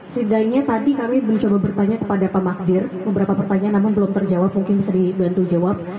setidaknya tadi kami mencoba bertanya kepada pak magdir beberapa pertanyaan namun belum terjawab mungkin bisa dibantu jawab